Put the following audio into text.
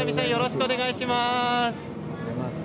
よろしくお願いします。